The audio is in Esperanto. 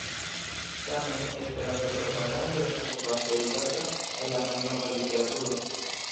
Tamen "Esperanto-propagando" estas vaste uzata en la malnova literaturo.